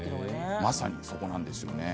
まさにそこなんですよね。